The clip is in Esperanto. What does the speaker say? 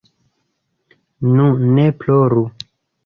Nu, ne ploru.